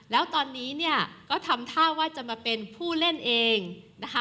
แล้วตอนนี้เนี่ยก็ทำท่าว่าจะมาเป็นผู้เล่นเองนะคะ